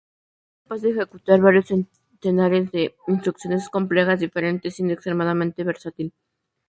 Es capaz de ejecutar varios centenares de instrucciones complejas diferentes siendo extremadamente versátil.